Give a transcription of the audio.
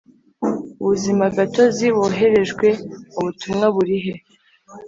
ubuzimagatozi woherejwe mu butumwa burihe